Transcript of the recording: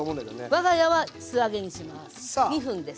我が家は素揚げにします。